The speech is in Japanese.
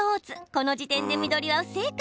この時点で緑は不正解。